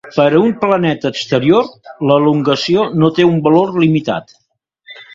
Per a un planeta exterior, l'elongació no té un valor limitat.